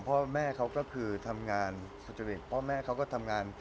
พ่อแม่เขาก็คือทำงานสุจริตพ่อแม่เขาก็ทำงาน